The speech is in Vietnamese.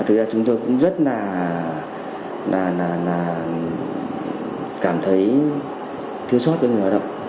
thực ra chúng tôi cũng rất là cảm thấy thiếu sót với người lao động